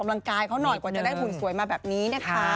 กำลังกายเขาหน่อยกว่าจะได้หุ่นสวยมาแบบนี้นะคะ